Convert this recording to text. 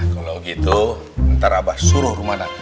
kalo gitu ntar abah suruh rumana